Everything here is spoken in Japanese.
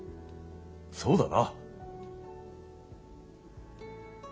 そうだな。